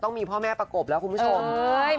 มีพ่อแม่ประกบแล้วคุณผู้ชม